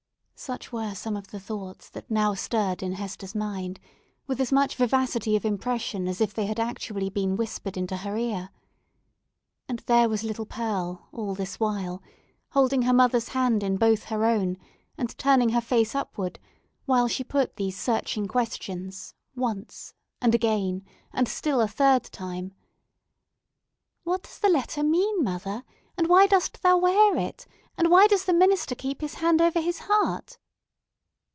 Such were some of the thoughts that now stirred in Hester's mind, with as much vivacity of impression as if they had actually been whispered into her ear. And there was little Pearl, all this while, holding her mother's hand in both her own, and turning her face upward, while she put these searching questions, once and again, and still a third time. "What does the letter mean, mother? and why dost thou wear it? and why does the minister keep his hand over his heart?"